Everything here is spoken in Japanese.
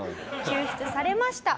救出されました。